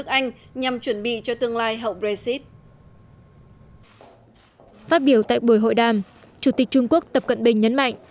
chủ tịch trung quốc tập cận bình nhấn mạnh